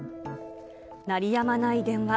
鳴りやまない電話。